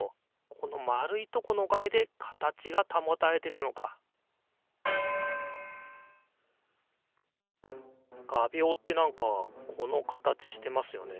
この丸いとこのおかげで形が保たれてたのかがびょうって何かこの形してますよね。